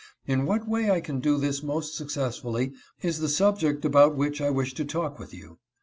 In what way I can do this most successfully is the subject about which I wish to talk with you.